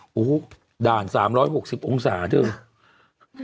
โอ้โหด่าน๓๖๐องศาเถอะ